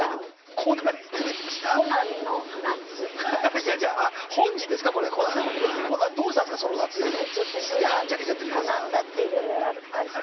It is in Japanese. コナンだっていろいろあるから。